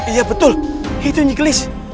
iya betul itu njiglis